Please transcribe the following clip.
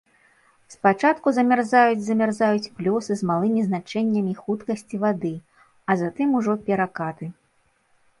Спачатку замярзаюць замярзаюць плёсы з малымі значэннямі хуткасці вады, а затым ужо перакаты.